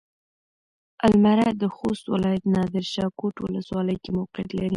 المره د خوست ولايت نادرشاه کوټ ولسوالۍ کې موقعيت لري.